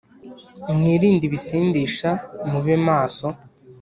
Mwirinde ibisindisha mube maso